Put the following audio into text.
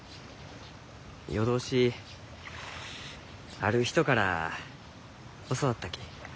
夜通しある人から教わったき。